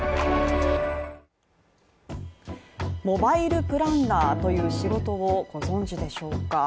モバイルプランナーという仕事をご存知でしょうか？